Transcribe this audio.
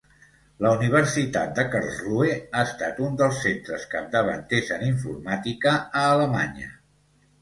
La Universitat de Karlsruhe ha estat un dels centres capdavanters en informàtica a Alemanya.